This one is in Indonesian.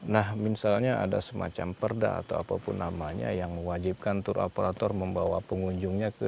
nah misalnya ada semacam perda atau apapun namanya yang mewajibkan tur operator membawa pengunjungnya ke